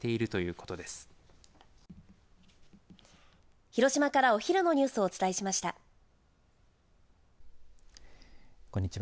こんにちは。